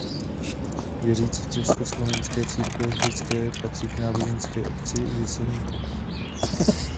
Věřící Československé církve husitské patří k náboženské obci v Jeseníku.